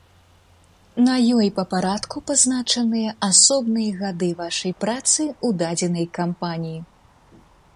На ёй па парадку пазначаныя асобныя гады вашай працы ў дадзенай кампаніі.